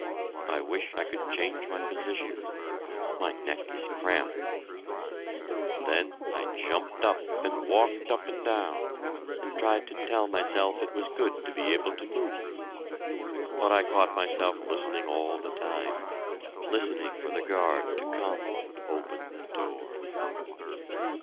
I wish I could change my position my neck is cramped.... Then I jumped up and walked up and down, and tried to tell myself it was good to be able to move! But I caught myself listening all the time listening for the guard to come and open the door!